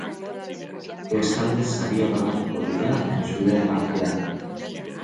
Bestalde, sariak banatuko dira entzuleen artean.